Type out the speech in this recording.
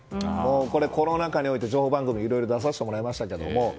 これ、コロナ禍において情報番組、いろいろ出させてもらいましたけども。